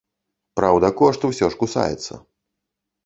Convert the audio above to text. Праўда, кошт усё ж кусаецца.